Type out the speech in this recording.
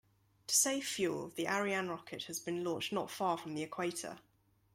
To save fuel, the Ariane rocket has been launched not far from the equator.